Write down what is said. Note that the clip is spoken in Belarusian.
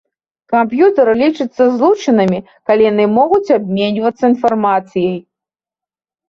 Камп'ютары лічацца злучанымі, калі яны могуць абменьвацца інфармацыяй.